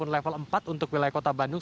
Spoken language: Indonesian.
level empat untuk wilayah kota bandung